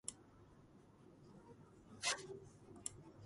ერთმანეთთან აკავშირებს ვიბორგის მხარესა და სააფთიაქოს კუნძულს.